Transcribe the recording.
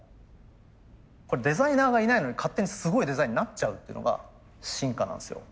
これデザイナーがいないのに勝手にすごいデザインになっちゃうっていうのが進化なんですよ。